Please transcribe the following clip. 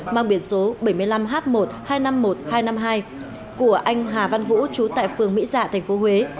mang biển số bảy mươi năm h một hai trăm năm mươi một nghìn hai trăm năm mươi hai của anh hà văn vũ trú tại phường mỹ dạ tp huế